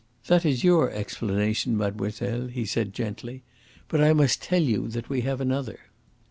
"That is your explanation, mademoiselle," he said gently. "But I must tell you that we have another."